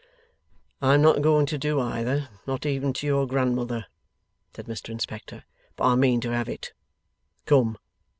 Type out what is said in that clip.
'I am not going to do either, not even to your Grandmother,' said Mr Inspector; 'but I mean to have it. Come!